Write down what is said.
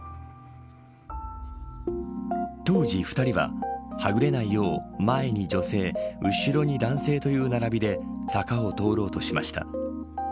当時２人は、はぐれないよう前に女性後ろに男性という並びで坂を通ろうとしました。